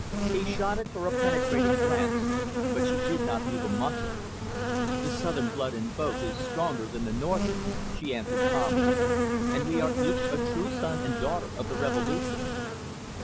He shot at her a penetrating glance, but she did not move a muscle. "The southern blood in both is stronger than the northern," she answered calmly. "And we are each a true son and daughter of the Revolution."